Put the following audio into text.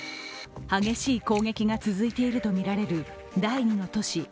激しい攻撃が続いているとみられる第２の都市